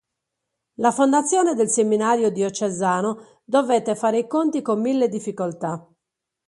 La fondazione del seminario diocesano dovette fare i conti con mille difficoltà.